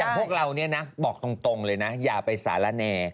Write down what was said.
พวกเราเนี่ยนะบอกตรงเลยนะอย่าไปสารแน